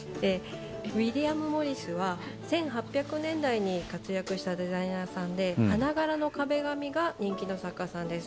ウィリアム・モリスは１８００年代に活躍したデザイナーさんで花柄の壁紙が人気の作家さんです。